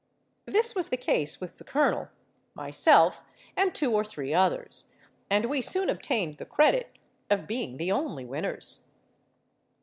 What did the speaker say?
This was the case with the colonel, myself, and two or three others; and we soon obtained the credit of being the only winners.